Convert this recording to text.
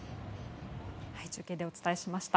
中継でお伝えしました。